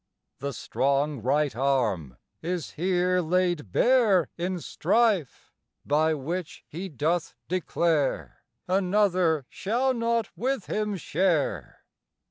The strong right arm is here laid bare In strife, by which He doth declare Another shall not with Him share.